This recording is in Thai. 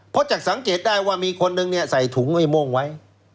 เพราะจากสังเกตได้ว่ามีคนนึงเนี่ยใส่ถุงไอ้โม่งไว้